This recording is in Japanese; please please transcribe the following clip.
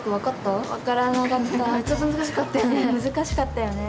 難しかったよね。